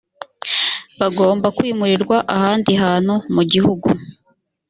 bagomba kwimurirwa ahandi hantu mu gihugu